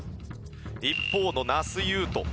一方の那須雄登。